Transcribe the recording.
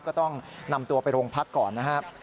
ก็ต้องนำตัวไปโรงพักก่อนนะครับ